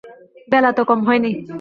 বেলা তো কম হয় নি।